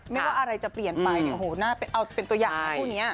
ไม่ว่าอะไรจะเปลี่ยนไปเนี่ยโห้เป็นตัวอย่างพูดเนี่ย